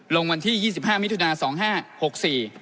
รองวันที่๒๕มิถุนาสองห้าหกสี่